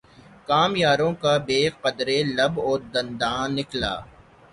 کام یاروں کا بہ قدرٕ لب و دنداں نکلا